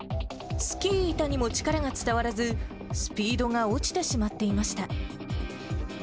スキー板にも力が伝わらず、スピードが落ちてしまっていました。